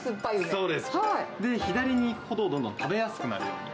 そうです、左に行くほど、どんどん食べやすくなるように。